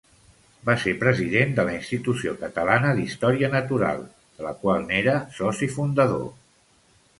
Va ser president de la Institució Catalana d'Història Natural, de la qual n'era soci fundador.